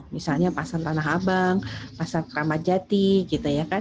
misalnya pasar tanah abang pasar ramadjati gitu ya kan